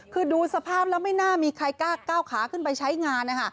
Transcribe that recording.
คือดูสภาพแล้วไม่น่ามีใครกล้าก้าวขาขึ้นไปใช้งานนะคะ